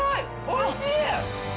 おいしい！